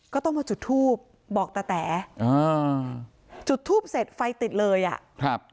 ก็ต้องมาจุดทูบบอกตาแต๋อ่าจุดทูปเสร็จไฟติดเลยอ่ะครับ